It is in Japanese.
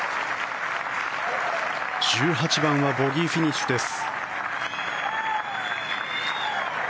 １８番はボギーフィニッシュです。